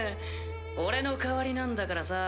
俺の代わりなんだからさ